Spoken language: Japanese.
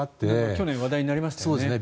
去年話題になりましたよね。